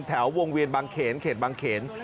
แถววงเวียนบางเขนเขตบางเขน